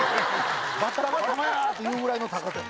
バッタが「たまや」って言うぐらいの高さ。